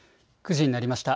９時になりました。